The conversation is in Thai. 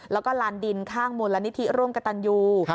แล้วก็ลานดินข้างมูลนิธิร่วมกับตันยู